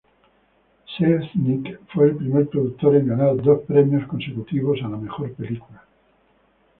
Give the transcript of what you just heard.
Selznick fue el primer productor en ganar dos premios consecutivos a la mejor película.